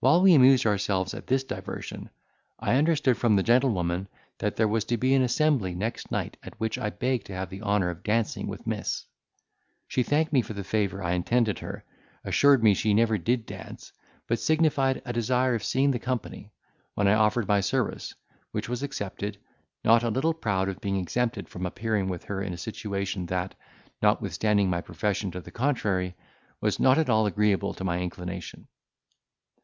While we amused ourselves at this diversion, I understood from the gentlewoman, that there was to be an assembly next night at which I begged to have the honour of dancing with Miss. She thanked me for the favour I intended her, assured me she never did dance, but signified a desire of seeing the company, when I offered my service, which was accepted, not a little proud of being exempted from appearing with her in a situation, that, notwithstanding my profession to the contrary, was not at all agreeable to my inclination.